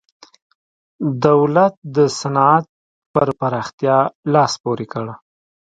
دولت د صنعت پر پراختیا لاس پورې کړ.